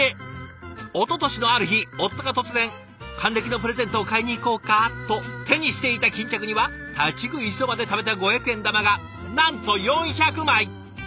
おととしのある日夫が突然「還暦のプレゼントを買いに行こうか」と手にしていた巾着には立ち食いそばでためた五百円玉がなんと４００枚！